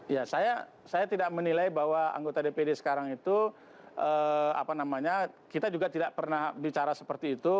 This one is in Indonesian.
ya saya tidak menilai bahwa anggota dpd sekarang itu apa namanya kita juga tidak pernah bicara seperti itu